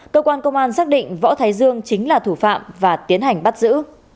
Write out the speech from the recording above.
cơ quan công an xác định võ thái dương chính là thủ phạm và tiến hành bắt giữ